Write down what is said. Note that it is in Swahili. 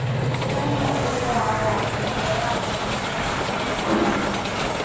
Kutokana na uwezo wao wa kuzoea mazingira tofauti tofauti